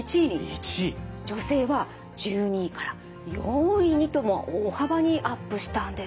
女性は１２位から４位にと大幅にアップしたんです。